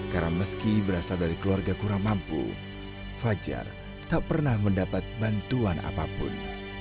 karena meski berasal dari keluarga kurang mampu fajar tak pernah mendapat bantuan apapun